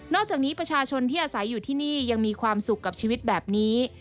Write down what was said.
อกจากนี้ประชาชนที่อาศัยอยู่ที่นี่ยังมีความสุขกับชีวิตแบบนี้